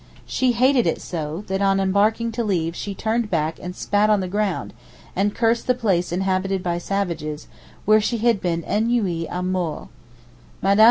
She hated it so, that on embarking to leave she turned back and spat on the ground, and cursed the place inhabited by savages, where she had been ennuyée a mort. Mme.